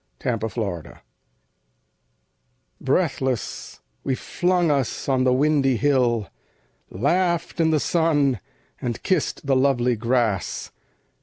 The Hill Breathless, we flung us on the windy hill, Laughed in the sun, and kissed the lovely grass.